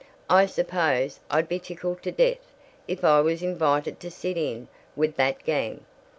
I suppose I'd be tickled to death if I was invited to sit in with that gang.